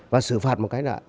và xử phạt một cái là